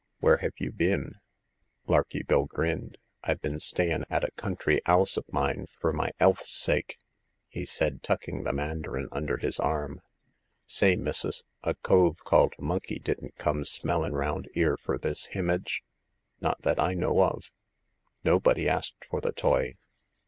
Where have you been ?*' Larky Bill grinned. Fve been stayin' at a country 'ouse of mine fur my *ealth*s sake," he said, tucking the mandarin under his arm. Say, missus, a cove called Monkey didn't come smellin' round 'ere fur this h'image ?"" Not that I know of. Nobody asked for the toy."